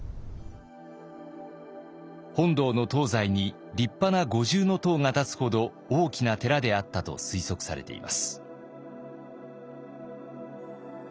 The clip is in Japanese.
本堂の東西に立派な五重塔が建つほど大きな寺であったと推測されています。